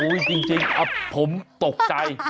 อู้ยจริงครับผมตกใจ